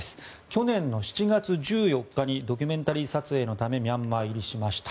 去年７月１４日にドキュメンタリー撮影のためにミャンマー入りしました。